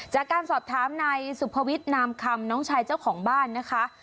จากการสอบถามนายสุภวิทย์นามคำน้องชายเจ้าของบ้านนะคะ